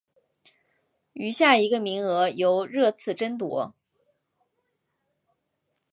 余下一个名额由热刺争夺。